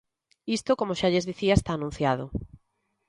Isto, como xa lles dicía, está anunciado.